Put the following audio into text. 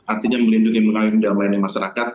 artinya melindungi dan melayani masyarakat